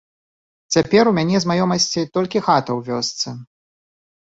Цяпер у мяне з маёмасці толькі хата ў вёсцы.